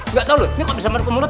gak tau loh ini kok bisa maruk ke mulut